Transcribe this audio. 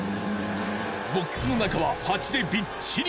ボックスの中はハチでびっちり！